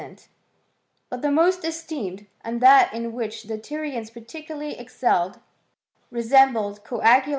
''t ^u^ the most esteemed, and that in which the Tyrians particularly excelled, resembled coagulat • FUnii Hist.